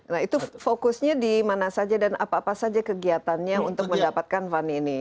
nah itu fokusnya dimana saja dan apa apa saja kegiatannya untuk mendapatkan van ini